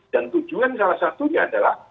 dan tujuan salah satunya adalah